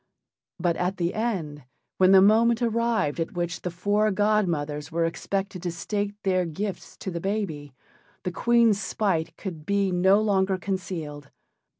But at the end, when the moment arrived at which the four godmothers were expected to state their gifts to the baby, the Queen's spite could be no longer concealed.